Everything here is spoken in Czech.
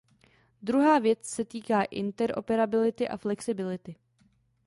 Druhá věc se týká interoperability a flexibility.